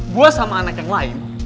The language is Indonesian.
buah sama anak yang lain